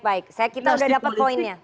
saya kira kita sudah dapat poinnya